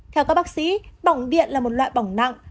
theo các bác sĩ bỏng điện là một loại bỏng nặng